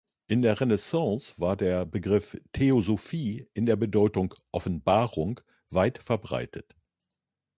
In der Renaissance war der Begriff Theosophie in der Bedeutung "Offenbarung" weit verbreitet.